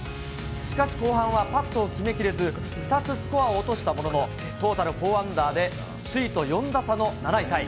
しかし、後半はパットを決めきれず、２つスコアを落としたものの、トータル４アンダーで、首位と４打差の７位タイ。